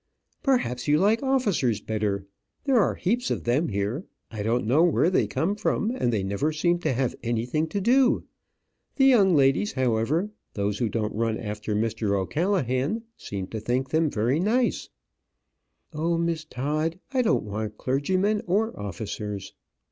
"Perhaps you like officers better. There are heaps of them here. I don't know where they come from, and they never seem to have anything to do. The young ladies, however those who don't run after Mr. O'Callaghan seem to think them very nice." "Oh, Miss Todd, I don't want clergymen or officers."